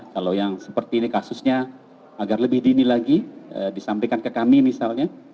kalau yang seperti ini kasusnya agar lebih dini lagi disampaikan ke kami misalnya